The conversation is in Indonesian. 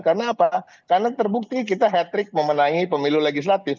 karena apa karena terbukti kita hat trick memenangi pemilu legislatif